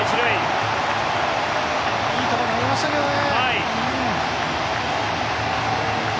いい球投げましたけどね。